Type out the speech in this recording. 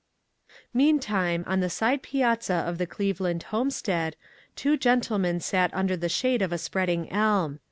Meantime on the side piazza of the Cleve land homestead, two gentlemen sat under the shade of a spreading elm.